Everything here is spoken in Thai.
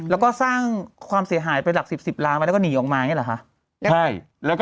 แล้วก็สร้างความเสียหายไปหลัก๑๐๑๐ล้านไว้แล้วก็หนีออกมาอย่างนี้หรอคะ